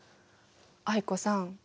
藍子さん